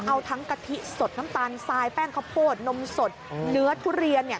เอาทั้งกะทิสดน้ำตาลทรายแป้งข้าวโพดนมสดเนื้อทุเรียนเนี่ย